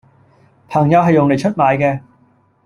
朋友係用黎出賣既